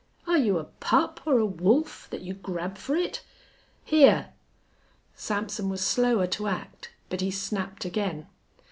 "Are you a pup or a wolf that you grab for it? Here." Sampson was slower to act, but he snapped again.